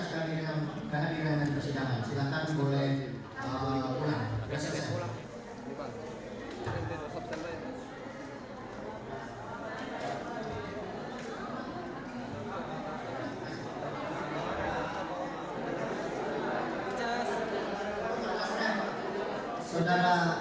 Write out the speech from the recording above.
pastikan jangan bilang persidangan silahkan boleh pulang percy does not come back